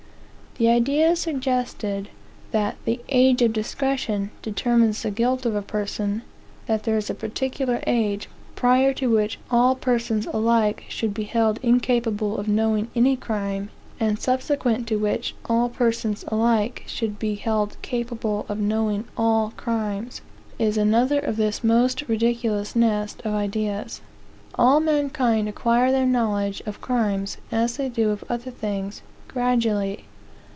The idea suggested, that " the age of discretion" determines the guilt of a person, that there is a particular age, prior to which all persons alike should be held incapable of knowing any crime, and subsequent to which all persons alike should be held capable of knowing all crimes, is another of this most ridiculous nest of ideas. All mankind acquire their knowledge of crimes, as they do of other things, gradually.